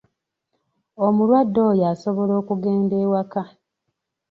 Omulwadde oyo asobola okugenda ewaka.